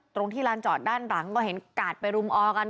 ที่ลานจอดด้านหลังก็เห็นกาดไปรุมออกัน